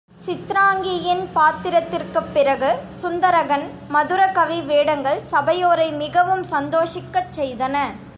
சித்ராங்கியின் பாத்திரத்திற்குப் பிறகு, சுந்தரகன் மதுரகவி வேடங்கள் சபையோரை மிகவும் சந்தோஷிக்கச் செய்தன.